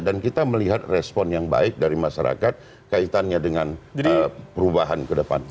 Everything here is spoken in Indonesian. dan kita melihat respon yang baik dari masyarakat kaitannya dengan perubahan ke depan